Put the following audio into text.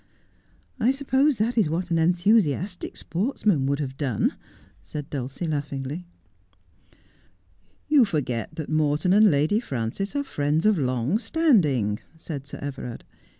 I suppose that is what an enthusiastic sportsman would have done,' said Dulcie laughingly. ' You forget that Morton and Lady Frances are friends of long standing,' said Sir Everard.